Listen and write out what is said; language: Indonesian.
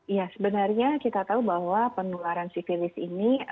ya sebenarnya kita tahu bahwa penularan sivilis ini